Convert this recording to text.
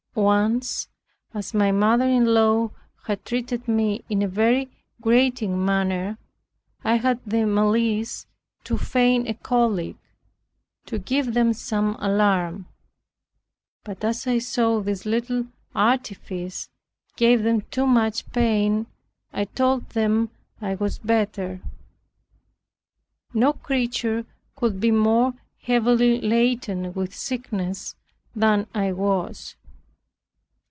Once, as my mother in law had treated me in a very grating manner, I had the malice to feign a cholic, to give them some alarm; but as I saw this little artifice gave them too much pain, I told them I was better. No creature could be more heavily laden with sickness than I was.